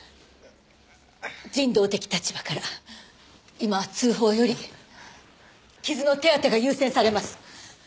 人道的立場から今は通報より傷の手当てが優先されます。